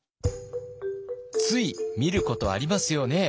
つい見ることありますよね？